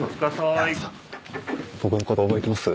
僕のこと覚えてます？